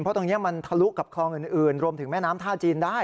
เพราะตรงนี้มันทะลุกับคลองอื่นรวมถึงแม่น้ำท่าจีนได้